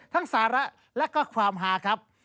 สาระและก็ความหาครับ